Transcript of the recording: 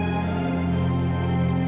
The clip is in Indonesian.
gak ada apa apa